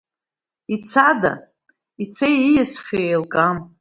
Ицада, ицеи ииасхьоу иеилкаам…